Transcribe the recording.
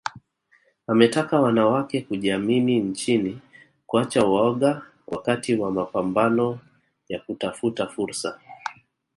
Ametaka wanawake kujiamini nchini kuacha woga wakati wa mapambano ya kutafuta fursa